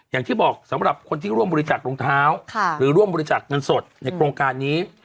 อย่างที่บอกสำหรับคนที่ร่วมบริจาครองเท้าหรือร่วมบริจาคเงินสดในโครงการนี้